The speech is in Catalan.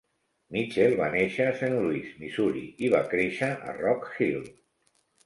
Mitchell va néixer a Saint Louis, Missouri i va créixer a Rock Hill.